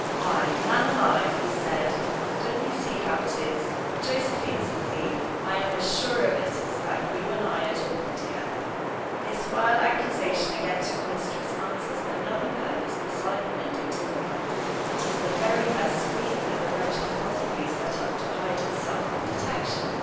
"Why, man alive," he said, "don't you see how it is? Josephine's the thief! I am as sure of it as that you and I are talking together. This vile accusation against your mistress answers another purpose besides the vindictive one it is the very best screen that the wretch could possibly set up to hide herself from detection.